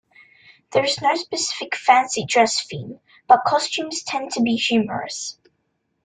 There is no specific fancy dress "theme", but costumes tend to be humorous.